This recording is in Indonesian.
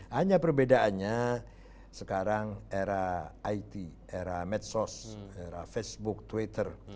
hanya perbedaannya sekarang era it era medsos era facebook twitter